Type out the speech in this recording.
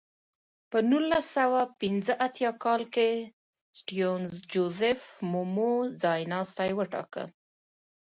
په نولس سوه پنځه اتیا کال کې سټیونز جوزیف مومو ځایناستی وټاکه.